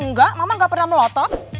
enggak mama gak pernah melotot